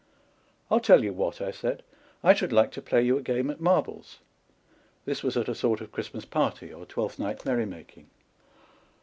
" I'll tell you what," I said, " I should like to play you a game at marbles " â€" this was at a sort of Christmas party or Twelfth Night merrymaking.